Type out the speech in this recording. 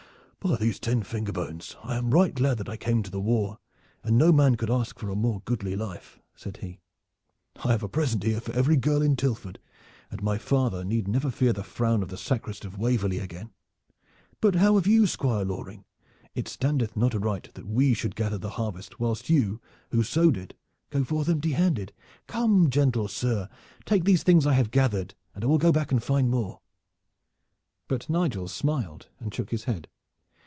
"By these ten finger bones! I am right glad that I came to the war, and no man could ask for a more goodly life," said he. "I have a present here for every girl in Tilford, and my father need never fear the frown of the sacrist of Waverley again. But how of you, Squire Loring? It standeth not aright that we should gather the harvest whilst you, who sowed it, go forth empty handed. Come, gentle sir, take these things that I have gathered, and I will go back and find more." But Nigel smiled and shook his head.